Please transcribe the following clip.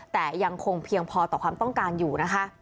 แต่ยังคงเพียงพอต่อความต้องการอยู่นะคะ